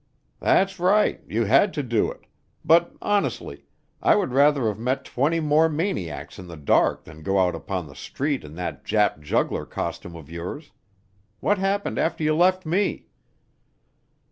"That's right you had to do it. But honestly, I would rather have met twenty more maniacs in the dark than go out upon the street in that Jap juggler costume of yours. What happened after you left me?"